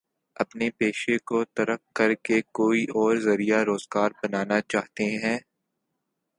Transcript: اپنے پیشے کو ترک کر کے کوئی اور ذریعہ روزگار بنانا چاہتے ہیں؟